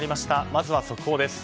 まずは速報です。